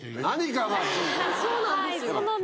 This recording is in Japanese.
そうなんですよ。